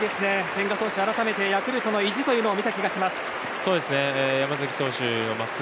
千賀投手、改めてヤクルトの意地を見た気がします。